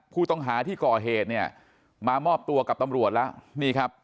ผู้ต้องหาที่ก่อเหตุเนี่ยมามอบตัวกับตำรวจแล้วนี่ครับ